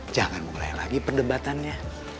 jangan mulai lagi perdebatannya